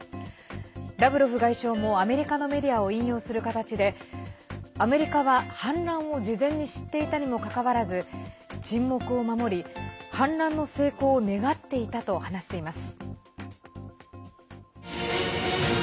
ラブロフ外相もアメリカのメディアを引用する形でアメリカは反乱を事前に知っていたにもかかわらず沈黙を守り、反乱の成功を願っていたと話しています。